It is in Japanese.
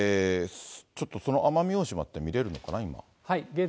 ちょっとその奄美大島って見れるのかな、今。